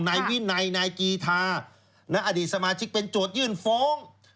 นายวินัยนายกีธาและอดีตสมาชิกเป็นโจทยื่นฟ้อง